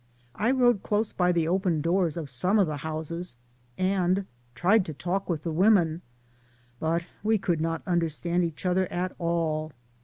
I rode close by the open doors of some of the houses, and tried to talk with the women, but we could not understand each other at all.